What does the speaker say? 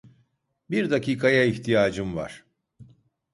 Bir dakikaya ihtiyacım var.